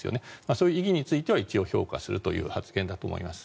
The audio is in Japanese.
そういう意義については一応、評価するという発言だと思います。